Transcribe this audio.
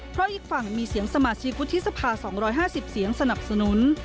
เพราะอีกฝั่งมีเสียงสมาชิกวุฒิสภา๒๕๐เสียงสนับสนุน